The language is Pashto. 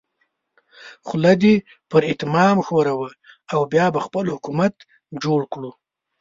خوله دې پر اتام ښوروه او بیا به خپل حکومت جوړ کړو.